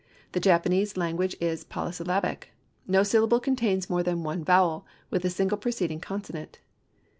The Japanese language is polysyllabic. No syllable contains more than one vowel, with a single preceding consonant.